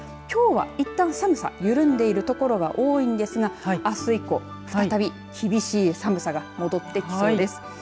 きょうは、いったん寒さ緩んでいる所が多いですがあす以降、再び厳しい寒さが戻ってきそうです。